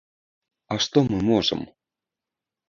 А што мы можам?